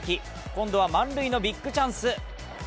今度は満塁のビッグチャンス。